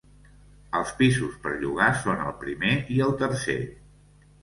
Els pisos per llogar són el primer i el tercer.